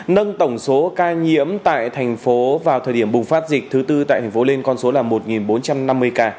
nâng tổng số ca nhiễm tại tp hcm vào thời điểm bùng phát dịch thứ tư tại tp hcm lên con số là một bốn trăm năm mươi ca